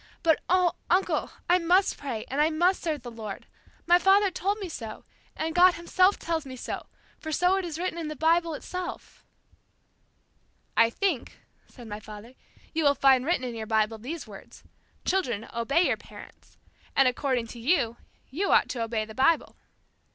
But, oh, uncle, I must pray, and I must serve the Lord. My father told me so, and God Himself tells me so, for so it is written down in the Bible itself." "I think," said my father, "you will find written in your Bible, these words, 'Children, obey your parents.' And according to you, you ought to obey the Bible."